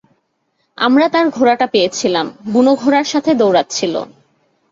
আমরা তার ঘোড়াটা পেয়েছিলাম, বুনো ঘোড়ার সাথে দৌড়াচ্ছিল।